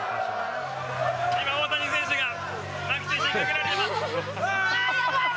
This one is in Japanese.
今、大谷選手が牧選手にかけられてます。